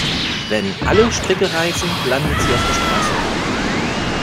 Wenn alle Stricke reißen, landet sie auf der Straße.